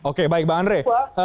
oke baik mbak andre